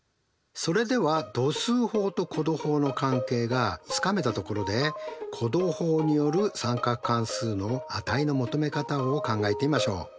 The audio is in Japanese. それでは度数法と弧度法の関係がつかめたところで弧度法による三角関数の値の求め方を考えてみましょう。